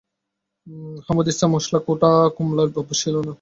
হামানদিস্তায় মসলা কোটা কমলার অভ্যাস ছিল না।